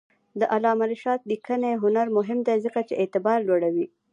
د علامه رشاد لیکنی هنر مهم دی ځکه چې اعتبار لوړوي.